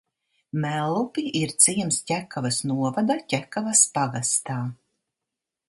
Mellupi ir ciems Ķekavas novada Ķekavas pagastā.